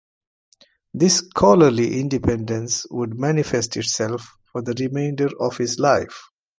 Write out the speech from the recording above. This scholarly independence would manifest itself for the remainder of his life.